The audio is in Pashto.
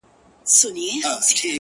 o د خبرونو وياند يې ـ